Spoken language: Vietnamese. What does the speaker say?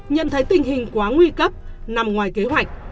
nhận thấy tình hình quá nguy cấp nằm ngoài kế hoạch